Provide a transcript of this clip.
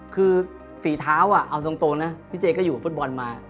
คือฝีเท้าเอาตรงนะพี่เจก็อยู่ฟุตบอลมา